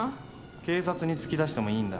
警察に突き出してもいいんだ。